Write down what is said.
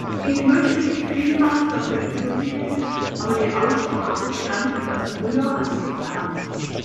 Ich möchte mich vielmals dafür entschuldigen, aber die Aussprache begann etwas früher als geplant.